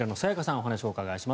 お話をお伺いします。